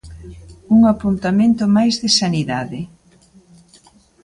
Un apuntamento máis de Sanidade.